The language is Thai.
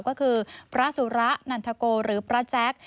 ก็คือพระสุระนันทโกหรือพระแจ๊ค